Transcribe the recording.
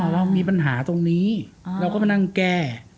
เรามีปัญหาตรงนี้เราก็มานั่งแก้